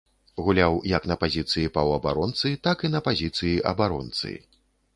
Гуляў як на пазіцыі паўабаронцы, так і на пазіцыі абаронцы.